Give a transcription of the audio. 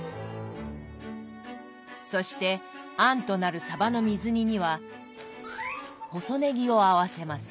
そして餡となるさばの水煮には細ねぎを合わせます。